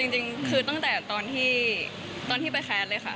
จริงคือตั้งแต่ตอนที่ไปแคสเลยค่ะ